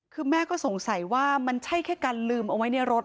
คือแม่ก็สงสัยว่ามันใช่แค่การลืมเอาไว้ในรถ